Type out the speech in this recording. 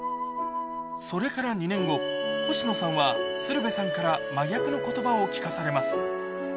それから２年後、星野さんは鶴瓶さんから真逆のことばを聞かされます。